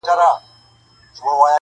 خدای درکړي دي غښتلي وزرونه-